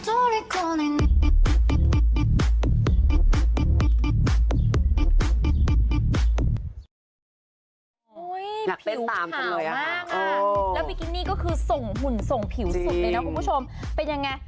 นี่ผิวขาวมากแล้วบิกินี่ก็คือส่งหุ่นส่งผิวสุดเลยนะคุณผู้ชมเป็นยังไง